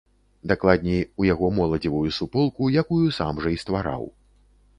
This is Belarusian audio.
Дакладней, у яго моладзевую суполку, якую сам жа і ствараў.